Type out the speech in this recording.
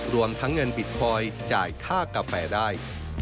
รวมทั้งเงินบิตคอยน์จ่ายค่ากาแฟได้